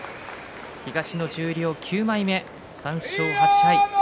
東の十両９枚目、３勝８敗。